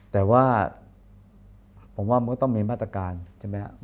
แต่ว่าผมว่ามันก็ต้องมีมาตรการใช่ไหมครับ